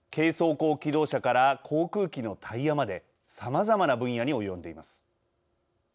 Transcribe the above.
甲機動車から航空機のタイヤまでさまざまな分野に及んでいます。